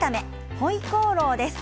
ホイコーローです。